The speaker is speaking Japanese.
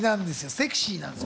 セクシーなんです。